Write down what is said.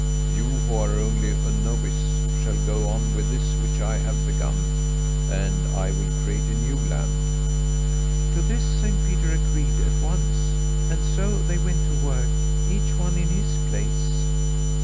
You, who are only a novice, shall go on with this which I have begun, and I will create a new land.' To this Saint Peter agreed at once; and so they went to work each one in his place.